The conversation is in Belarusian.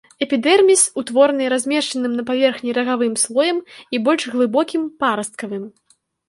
Эпідэрміс утвораны размешчаным на паверхні рагавым слоем і больш глыбокім парасткавым.